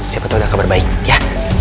siapa tau ada kabar baik ya